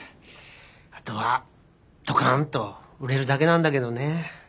あとはドカンと売れるだけなんだけどね。